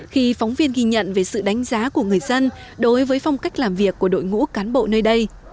khi phóng viên ghi nhận về sự đánh giá của người dân đối với phong cách làm việc của đội ngũ cán bộ nơi đây